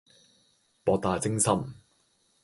博大精深